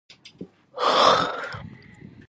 وزې له خپلو چرته خوښيږي